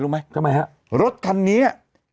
รถคันนี้